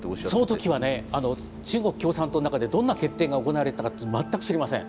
その時はね中国共産党の中でどんな決定が行われたかって全く知りません。